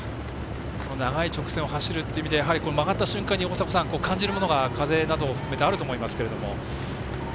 長い直線を走るという意味では、曲がった瞬間に感じるものが、風などを含めてあると思いますけれども。